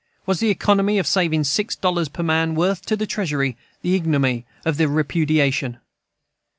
Was the economy of saving six dollars per man worth to the Treasury the ignominy of the repudiation?